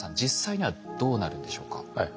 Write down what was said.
実際にはどうなるんでしょうか？